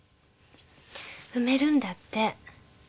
埋めるんだって。